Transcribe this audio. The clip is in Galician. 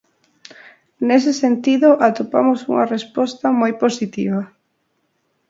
Nese sentido, atopamos unha resposta moi positiva.